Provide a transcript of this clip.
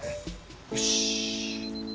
よし。